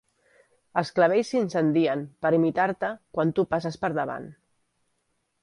Els clavells s'incendien, per imitar-te, quan tu passes per davant.